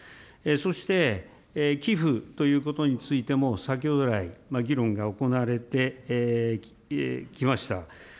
そして、寄付ということについても、先ほど来、議論が行われてきました。